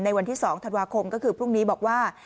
วันที่๒ธันวาคมก็คือพรุ่งนี้บอกว่า